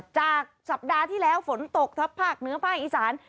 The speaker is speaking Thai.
จากสัปดาห์ที่แล้วฝนตกทับภาคเหนือภาคอีสาน